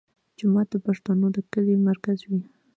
جومات د پښتنو د کلي مرکز وي.